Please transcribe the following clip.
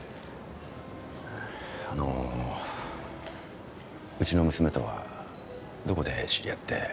あのうちの娘とはどこで知り合って？